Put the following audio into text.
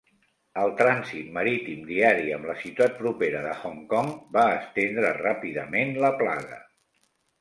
El trànsit marítim diari amb la ciutat propera de Hong Kong va estendre ràpidament la plaga.